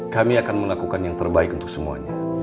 kami akan melakukan yang terbaik untuk semuanya